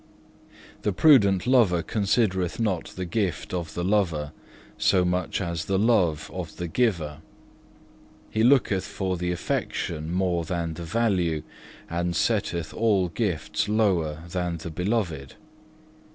4. "The prudent lover considereth not the gift of the lover so much as the love of the giver. He looketh for the affection more than the value, and setteth all gifts lower than the Beloved.